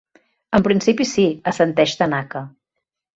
En principi sí —assenteix Tanaka—.